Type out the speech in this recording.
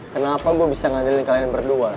kenapa gue bisa ngadilin kalian berdua